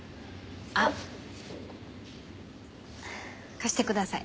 あっ貸してください。